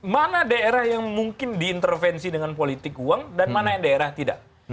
mana daerah yang mungkin diintervensi dengan politik uang dan mana yang daerah tidak